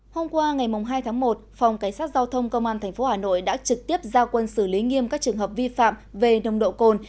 hôm qua ngày hai tháng một phòng cảnh sát giao thông công an tp hà nội đã trực tiếp giao quân xử lý nghiêm các trường hợp vi phạm về nồng độ cồn